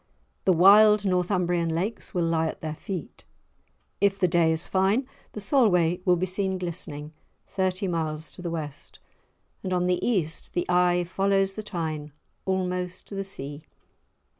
The wild Northumbrian lakes will lie at their feet; if the day is fine, the Solway will be seen glistening, thirty miles to the west; and on the east the eye follows the Tyne almost to the sea.